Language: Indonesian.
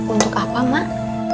untuk apa mak